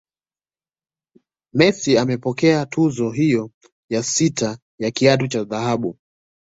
Messi amepokea tuzo hiyo ya sita ya kiatu cha dhahabu